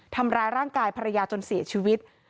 ทำร้ายร่างกายภรรยาจนเสียชีวิต